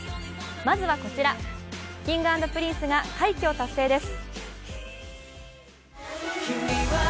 まずはこちら、Ｋｉｎｇ＆Ｐｒｉｎｃｅが快挙を達成です。